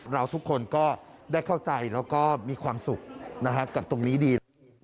เราทุกคนก็ได้เข้าใจแล้วก็มีความสุขกับตรงนี้ดี